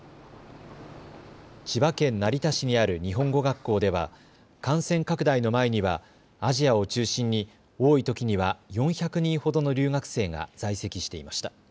千葉県成田市にある日本語学校では感染拡大の前にはアジアを中心に多いときには４００人ほどの留学生が在籍していました。